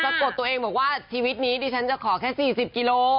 กดตัวเองบอกว่าชีวิตนี้ดิฉันจะขอแค่๔๐กิโล